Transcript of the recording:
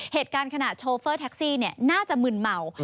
เหตุการณ์ขณะลูกโทรเฟอร์แท็กซี่น่าจะหมื่นเหมา